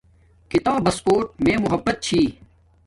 کتابس کوٹ میے محبت چھی